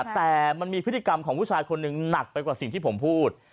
แต่มันมีพฤติกรรมของผู้ชายคนหนึ่งหนักไปกว่าสิ่งที่ผมพูด